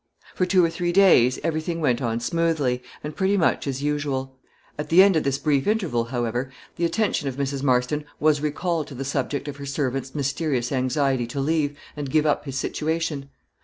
For two or three days, everything went on smoothly, and pretty much as usual. At the end of this brief interval, however, the attention of Mrs. Marston was recalled to the subject of her servant's mysterious anxiety to leave, and give up his situation.